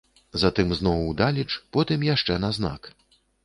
Затым зноў удалеч, потым яшчэ на знак.